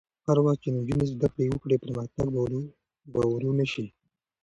هر وخت چې نجونې زده کړه وکړي، پرمختګ به ورو نه شي.